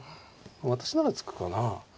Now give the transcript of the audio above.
私なら突くかなあ。